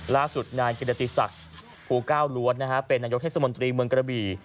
ล่าสุดนายกิรติศักดิ์ภูเก้าล้วนเป็นนายกเทศมนตรีเมืองกระบี่